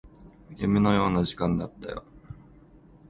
夢のような時間だったよ